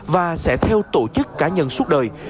và sẽ theo tổ chức cá nhân suốt đời